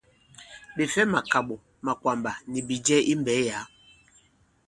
Ɓè fɛ màkàɓò, màkwàmbà nì bìjɛ i mbɛ̌ yǎ.